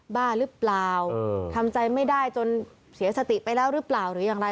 บ้าหรือเปล่าทำใจไม่ได้จนเสียสติไปแล้วหรือเปล่า